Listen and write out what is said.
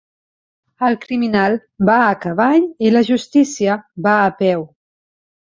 El criminal va a cavall i la justícia va a peu.